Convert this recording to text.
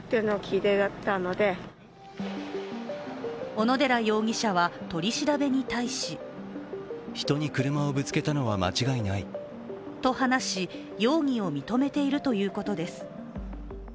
小野寺容疑者は、取り調べに対しと話し、容疑を認めているということです。